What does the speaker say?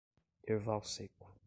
Erval Seco